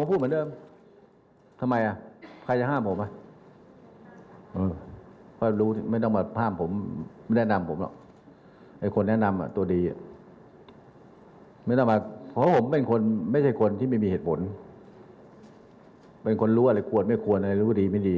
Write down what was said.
เป็นคนรู้อะไรควรไม่ควรและรู้ดีไม่ดี